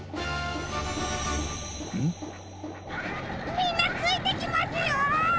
みんなついてきますよ！